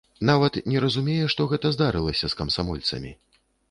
Нават не разумее, што гэта здарылася з камсамольцамі.